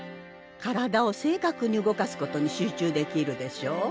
体を正確に動かすことに集中できるでしょ？